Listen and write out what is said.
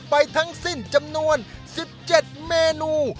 ไปทั้งสิ้นจำนวนสิบเจ็ดเมนู